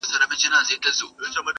• دودونه ژوند توره څېره کوي تل,